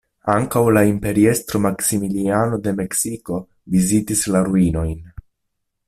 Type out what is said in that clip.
Ankaŭ la imperiestro Maksimiliano de Meksiko vizitis la ruinojn.